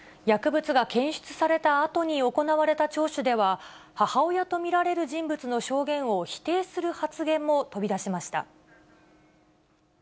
薬物が検出されたあとに行われた聴取では、母親と見られる人物の証言を否定する発言も飛び出しました。